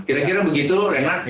kira kira begitu renan